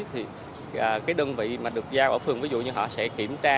thì cái đơn vị mà được giao ở phường ví dụ như họ sẽ kiểm tra